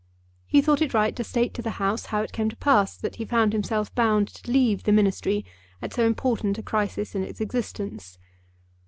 He thought it right to state to the House how it came to pass that he found himself bound to leave the Ministry at so important a crisis in its existence.